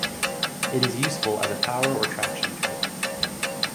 It is useful as a power or traction kite.